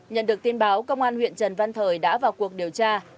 nhận được tin báo công an huyện trần văn thời đã vào cuộc điều tra